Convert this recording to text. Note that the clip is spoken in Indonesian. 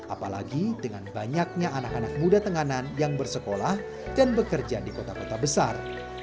apalagi dengan banyaknya anak anak muda tenganan yang bersekolah dan bekerja di kota kota besar